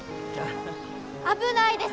危ないです！